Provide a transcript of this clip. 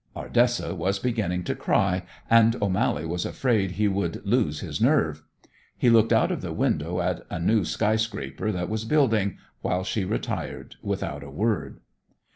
Ardessa was beginning to cry, and O'Mally was afraid he would lose his nerve. He looked out of the window at a new sky scraper that was building, while she retired without a word.